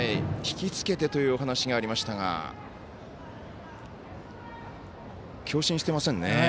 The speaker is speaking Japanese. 引きつけてというお話がありましたが強振してませんね。